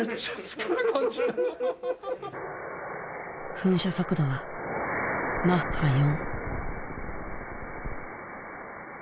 噴射速度はマッハ４。